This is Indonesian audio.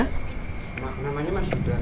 namanya mas yuda